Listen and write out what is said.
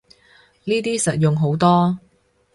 呢啲實用好多